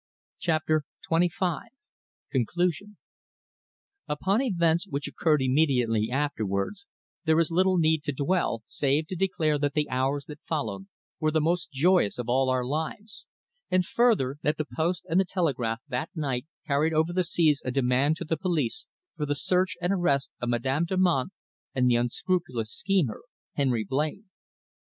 CHAPTER TWENTY FIVE. CONCLUSION. Upon events which occurred immediately afterwards there is little need to dwell, save to declare that the hours that followed were the most joyous of all our lives; and further, that the post and the telegraph that night carried over the seas a demand to the police for the search and arrest of Madame Damant and the unscrupulous schemer Henry Blain.